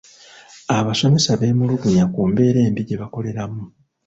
Abasomesa beemulugunya ku mbeera embi gye bakoleramu.